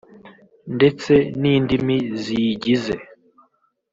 ndetse n’indimi ziyigize